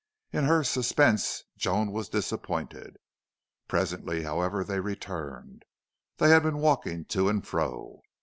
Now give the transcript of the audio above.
In her suspense Joan was disappointed. Presently, however, they returned; they had been walking to and fro.